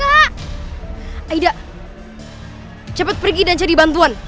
aida cepet pergi dan jadi bantuan